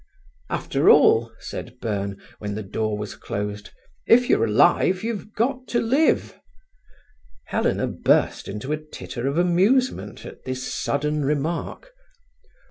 "After all," said Byrne, when the door was closed, "if you're alive you've got to live." Helena burst into a titter of amusement at this sudden remark.